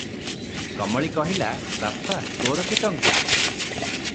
କମଳୀ କହିଲା, "ବାପା! ତୋର କି ଟଙ୍କା?